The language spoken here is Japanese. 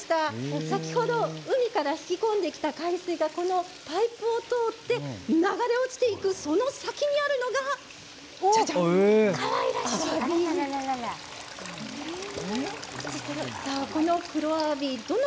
先ほど海から引き込んできた海水がパイプを通って流れ落ちていくその先にあるのがじゃじゃーん！